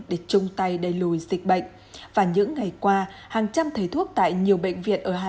để chung tay đẩy lùi dịch bệnh và những ngày qua hàng trăm thầy thuốc tại nhiều bệnh viện ở hà